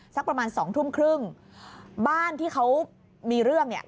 สักประมาณสองทุ่มครึ่งบ้านที่เขามีเรื่องเนี่ย